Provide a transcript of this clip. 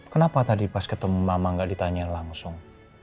kenapa tadi pas ketemu mama gak ditanya langsung